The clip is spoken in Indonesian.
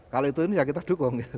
kalau itu ini ya kita dukung